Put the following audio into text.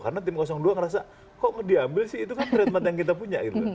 karena tim dua ngerasa kok diambil sih itu kan kreditmat yang kita punya